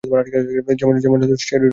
যেমন: স্টেরয়েডীয় ড্রাগ।